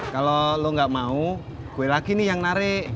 kalau lo gak mau gue lagi nih yang narik